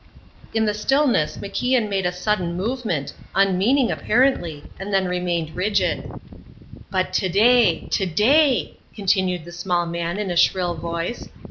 In the stillness MacIan made a sudden movement, unmeaning apparently, and then remained rigid. "But today, today," continued the small man in a shrill voice.